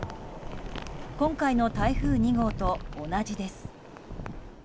今回の台風２号と同じです。